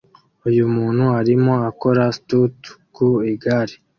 Uyu muntu arimo akora stunt ku igare